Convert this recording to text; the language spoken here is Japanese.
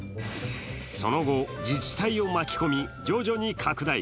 その後、自治体を巻き込み、徐々に拡大。